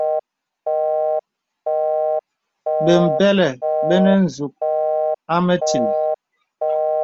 Bəmbə̀lə bə nə nzūk à mətíl.